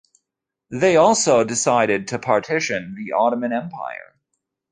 They also decided to partition the Ottoman Empire.